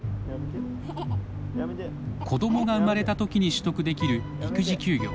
子どもが生まれたときに取得できる育児休業。